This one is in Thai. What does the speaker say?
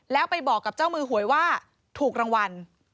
แล้วไปบอกกับเจ้ามือหวยว่าถูกรางวัล